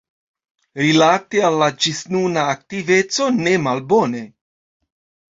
Rilate al la ĝisnuna aktiveco, ne malbone.